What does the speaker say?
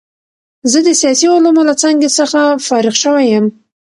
زه د سیاسي علومو له څانګې څخه فارغ شوی یم.